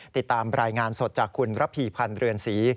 ติดตามรายงานสดจากคุณระพีพันธ์เรือนศรี